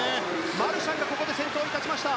マルシャンが先頭に立ちました。